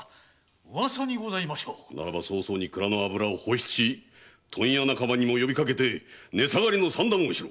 なら早々に油を放出し問屋仲間に呼びかけ値下がりの算段をしろ！